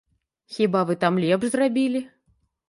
Хіба вы там лепш зрабілі?